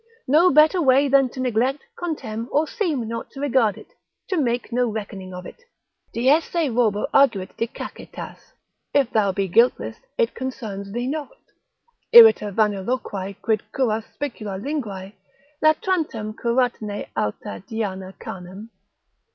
No better way, than to neglect, contemn, or seem not to regard it, to make no reckoning of it, Deesse robur arguit dicacitas: if thou be guiltless it concerns thee not: Irrita vaniloquae quid curas spicula linguae, Latrantem curatne alta Diana canem?